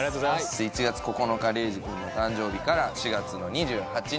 １月９日レイジ君の誕生日から４月の２８日